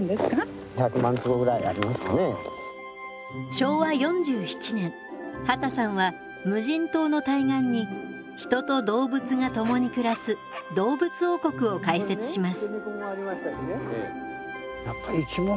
昭和４７年畑さんは無人島の対岸に人と動物が共に暮らす動物王国を開設します。